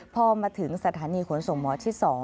พอมาถึงสถานีขนส่งหมอชิด๒